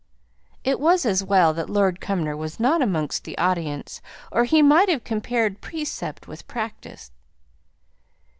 It was as well that Lord Cumnor was not amongst the audience; or he might have compared precept with practice.